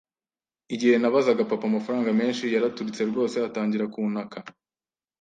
Igihe nabazaga papa amafaranga menshi, yaraturitse rwose atangira kuntaka.